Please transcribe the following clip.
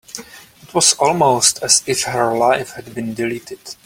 It was almost as if her life had been deleted.